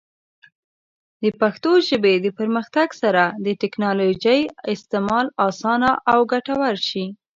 د پښتو ژبې د پرمختګ سره، د ټیکنالوجۍ استعمال اسانه او ګټور شي.